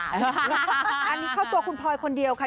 อันนี้เข้าตัวคุณพลอยคนเดียวค่ะ